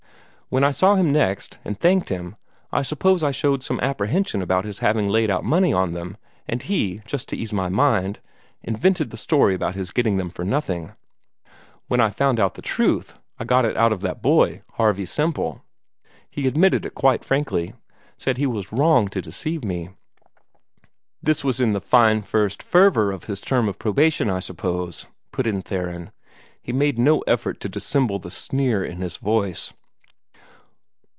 When I saw him next, and thanked him, I suppose I showed some apprehension about his having laid out money on them, and he, just to ease my mind, invented the story about his getting them for nothing. When I found out the truth I got it out of that boy, Harvey Semple he admitted it quite frankly said he was wrong to deceive me." "This was in the fine first fervor of his term of probation, I suppose," put in Theron. He made no effort to dissemble the sneer in his voice.